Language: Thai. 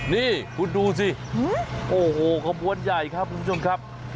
นี่คุณดูสิโอ้โหขบวนใหญ่ครับคุณผู้ชมครับ